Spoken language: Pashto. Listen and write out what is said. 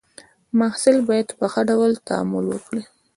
محصل باید په ښه ډول تعامل وکړي.